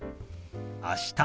「あした」。